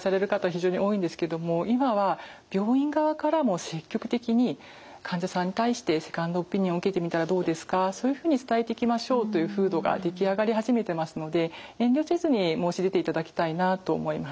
非常に多いんですけども今は病院側からも積極的に患者さんに対してセカンドオピニオン受けてみたらどうですかそういうふうに伝えていきましょうという風土が出来上がり始めてますので遠慮せずに申し出ていただきたいなと思います。